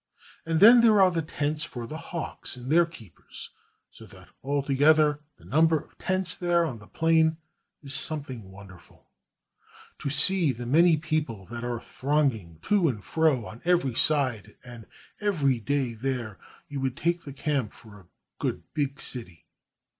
And then there are the tents for the hawks and their keepers, so that altogether the number of tents there on the plain is something wonderful. To see the many people that are thronging to and fro on every side and every day there, you would take the camp for a good big city.